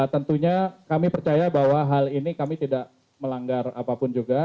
tentunya kami percaya bahwa hal ini kami tidak melanggar apapun juga